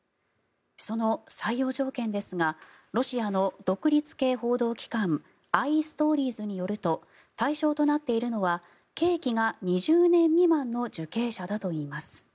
その採用条件ですがロシアの独立系報道機関アイ・ストーリーズによると対象となっているのは刑期が２０年未満の受刑者だといいます。